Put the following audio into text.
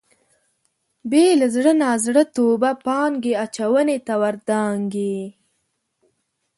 بې له زړه نازړه توبه پانګې اچونې ته ور دانګي.